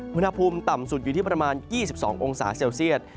อุณหภูมิต่ำสุดอยู่ที่ประมาณ๒๒องศาเซลเซียต